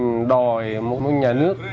mình đòi một nhà nước